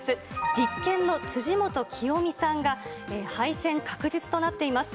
立憲の辻元清美さんが、敗戦確実となっています。